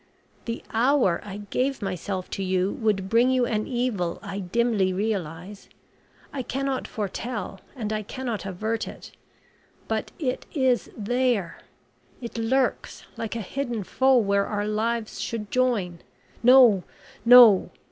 The hour I gave myself to you would bring you an evil I dimly realise. I cannot foretell, and I cannot avert it; but it is there. It lurks like a hidden foe where our lives should join... No, no!